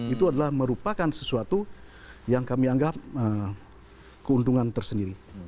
itu adalah merupakan sesuatu yang kami anggap keuntungan tersendiri